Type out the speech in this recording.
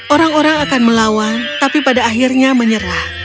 orang orang akan melawan tapi pada akhirnya menyerah